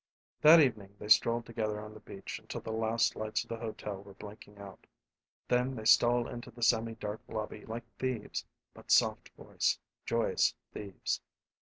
That evening they strolled together on the beach until the last lights of the hotel were blinking out. Then they stole into the semi dark lobby like thieves but soft voiced, joyous thieves.